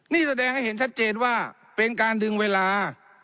นี่แสดงให้เห็นชัดเจนว่าเป็นการดึงเวลา